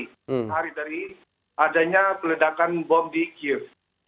hari dari adanya peledakan bom di kiev